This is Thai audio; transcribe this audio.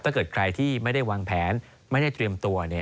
ถ้าเกิดใครที่ไม่ได้วางแผนไม่ได้เตรียมตัว